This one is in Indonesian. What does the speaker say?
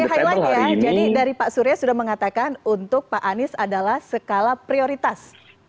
highlight ya jadi dari pak surya sudah mengatakan untuk pak anies adalah skala prioritas